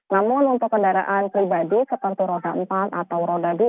namun untuk kendaraan pribadi seperti roda empat atau roda dua